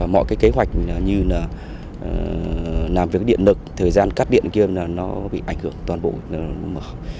mọi kế hoạch như làm việc điện lực thời gian cắt điện kia nó bị ảnh hưởng toàn bộ